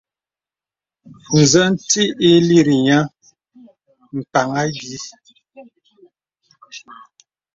Nzə nti ǐ lìrì nyə̄ m̀pàŋ ànyìì.